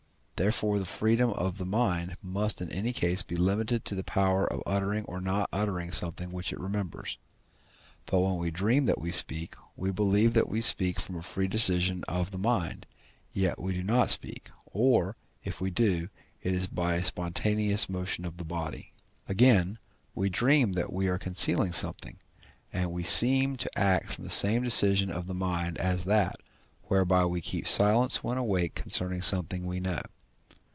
Therefore the freedom of the mind must in any case be limited to the power of uttering or not uttering something which it remembers. But when we dream that we speak, we believe that we speak from a free decision of the mind, yet we do not speak, or, if we do, it is by a spontaneous motion of the body. Again, we dream that we are concealing something, and we seem to act from the same decision of the mind as that, whereby we keep silence when awake concerning something we know.